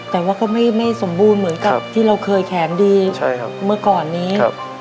แต่ว่าก็ไม่สมบูรณ์เหมือนกับที่เราเคยแขนดีใช่ครับเมื่อก่อนนี้